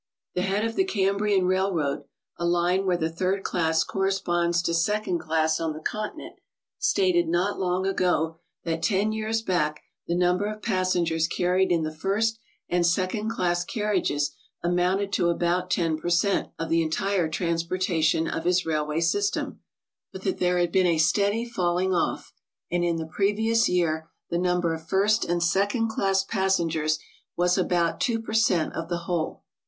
The head of the Cambrian railroad, a line where the third class corresponds to second class on the Continent, stated not long ago that ten years back the number of pas sengers carried in the first and second class carriages amounted to about 10 per cent, of the entire transportation HOW TO TRAVEL ABROAD. 55 of his railway system, but that there had been a steady fall ing off, and in the previous year the number of first and second class passengers was about 2 per cent of the whole.